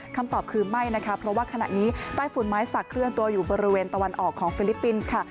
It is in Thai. คำตอบคือไม่นะคะเพราะว่าขณะนี้ใต้ฝุ่นไม้สักเคลื่อนตัวอยู่บริเวณตะวันออกของฟิลิปปินส์ค่ะ